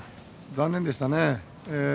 残念でしたね。